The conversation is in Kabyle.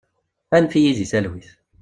Annef-iyi deg talwit!